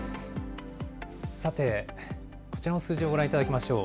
さて、こちらの数字をご覧いただきましょう。